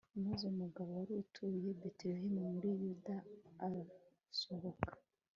maze umugabo wari utuye i betelehemu muri yuda arasuhuka